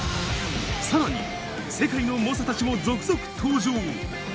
さらに、世界のもさたちも続々登場。